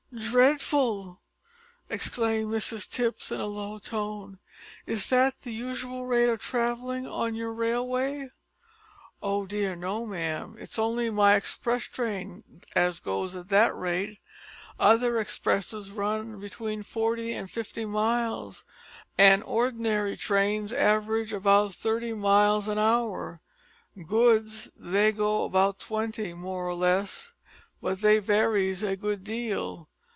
"Dreadful!" exclaimed Mrs Tipps in a low tone. "Is that the usual rate of travelling on your railway?" "Oh dear no, ma'am. It's only my express train as goes at that rate. Other expresses run between forty and fifty miles, an' or'nary trains average about thirty miles an hour goods, they go at about twenty, more or less; but they varies a good deal.